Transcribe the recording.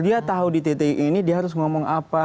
dia tahu di tti ini dia harus ngomong apa